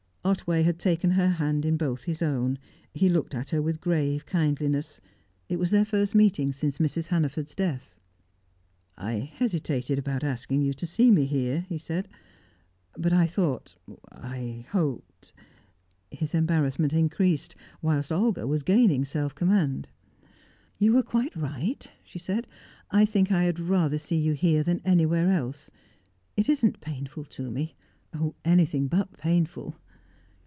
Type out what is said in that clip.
Otway had taken her hand in both his own; he looked at her with grave kindliness. It was their first meeting since Mrs. Hannaford's death. "I hesitated about asking you to see me here," he said. "But I thought I hoped " His embarrassment increased, whilst Olga was gaining self command. "You were quite right," she said. "I think I had rather see you here than anywhere else. It isn't painful to me oh! anything but painful!"